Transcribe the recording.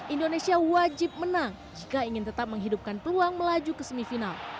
indonesia wajib menang jika ingin tetap menghidupkan peluang melaju ke semifinal